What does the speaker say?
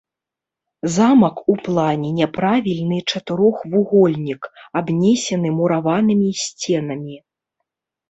Замак у плане няправільны чатырохвугольнік, абнесены мураванымі сценамі.